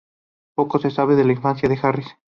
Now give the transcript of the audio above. Poco se sabe de la infancia de Harris.